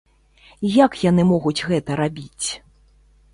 Як яны могуць гэта рабіць?